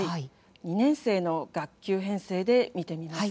２年生の学級編成で見てみます。